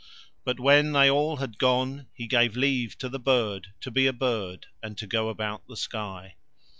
But when they all had gone he gave leave to the bird to be a bird and to go about the sky.